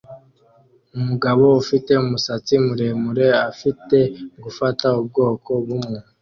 Umugabo ufite umusatsi muremure afite gufata ubwoko bumwe